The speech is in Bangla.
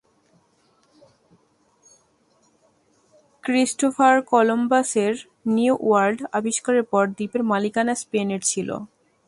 ক্রিস্টোফার কলম্বাসের নিউ ওয়ার্ল্ড আবিস্কারের পর দ্বীপের মালিকানা স্পেনের ছিলো।